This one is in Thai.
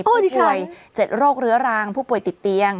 ผู้ป่วย๗โรคเรื้อรังผู้ป่วยติดเตียง